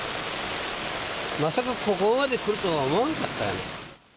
まさかここまで来るとは思わんかったよ。